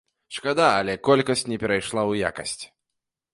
Шкада, але колькасць не перайшла ў якасць.